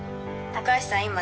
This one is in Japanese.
高橋さん